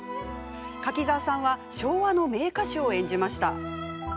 柿澤さんは昭和の名歌手を演じました。